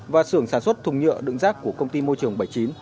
và xưởng sản xuất thùng nhựa đựng rác của công ty môi trường bảy mươi chín